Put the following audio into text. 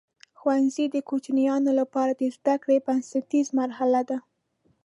ښوونځی د کوچنیانو لپاره د زده کړې بنسټیزه مرحله ده.